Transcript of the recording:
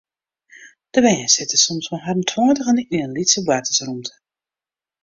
De bern sitte soms mei harren tweintigen yn in lytse boartersrûmte.